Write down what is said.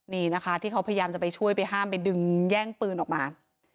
นี่นะคะที่เขาพยายามจะไปช่วยไปห้ามไปดึงแย่งปืนออกมา